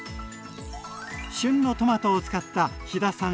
旬のトマトを使った飛田さん